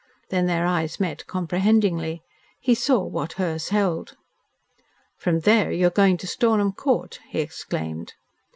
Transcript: Then their eyes met comprehendingly. He saw what hers held. "From there you are going to Stornham Court!" he exclaimed.